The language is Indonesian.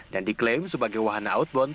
dan diklaim sebagai wahana outbound